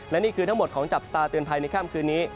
และนี่คือทั้งหมดของจับตาเตือนภัยในค่ำคืนนี้